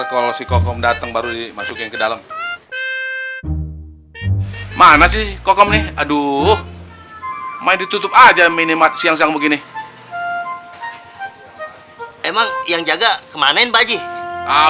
kebelet kali maka ditutup dulu sama dia